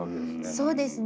そうですね。